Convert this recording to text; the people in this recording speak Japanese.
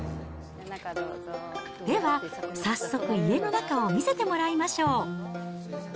では、早速、家の中を見せてもらいましょう。